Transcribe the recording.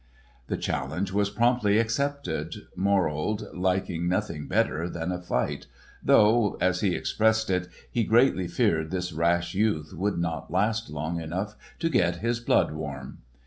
The challenge was promptly accepted, Morold liking nothing better than a fight, though—as he expressed it—he greatly feared this rash youth would not last long enough to get his blood warm.